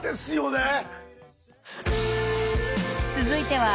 ［続いては］